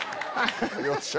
よっしゃ！